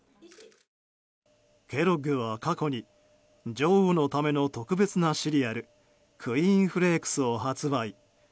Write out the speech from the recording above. ケロッグは、過去に女王のための特別なシリアルクイーンフレークスを発売。